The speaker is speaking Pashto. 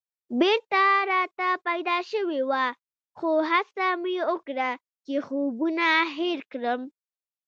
بېره راته پیدا شوې وه خو هڅه مې وکړه چې خوبونه هېر کړم.